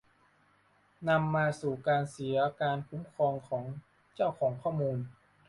นำมาสู่การเสียการคุ้มครองของเจ้าของข้อมูล